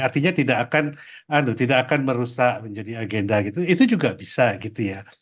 artinya tidak akan tidak akan merusak menjadi agenda gitu itu juga bisa gitu ya